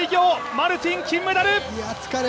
マルティン、金メダル！